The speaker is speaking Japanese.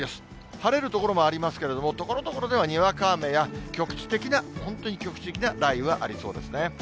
晴れる所もありますけれども、ところどころではにわか雨や、局地的な、本当に局地的な雷雨がありそうですね。